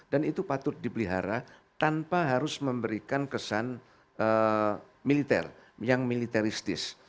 dan itu patut dipelihara tanpa harus memberikan kesan militer yang militeristis